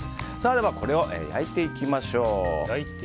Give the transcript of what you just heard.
これを焼いていきましょう。